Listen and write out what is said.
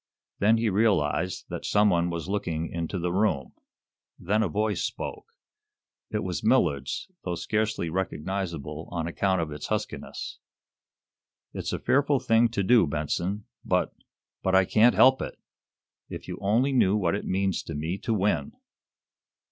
Then he realized that some one was looking into the room. Then a voice spoke. It was Millard's, though scarcely recognizable on account of its huskiness. "It's a fearful thing to do, Benson, but but I can't help it! If you only knew what it means to me to win!"